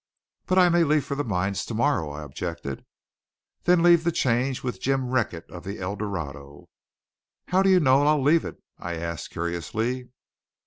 "But I may leave for the mines to morrow," I objected. "Then leave the change with Jim Recket of the El Dorado." "How do you know I'll leave it?" I asked curiously.